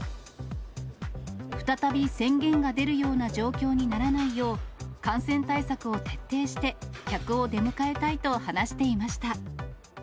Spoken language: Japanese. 再び宣言が出るような状況にならないよう、感染対策を徹底して、客を出迎えたいと話していました。